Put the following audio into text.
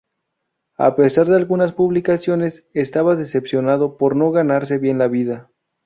A pesar de algunas publicaciones, estaba decepcionado por no ganarse bien la vida.